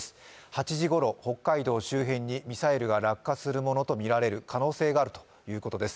８時ごろ、北海道周辺にミサイルが落下するものとみられる可能性があるということです。